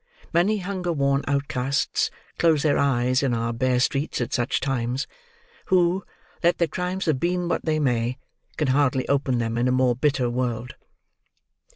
Many hunger worn outcasts close their eyes in our bare streets, at such times, who, let their crimes have been what they may, can hardly open them in a more bitter world.